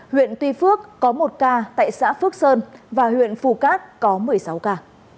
huyện tuy phước có một ca tại xã phước sơn và huyện phù cát có một mươi sáu ca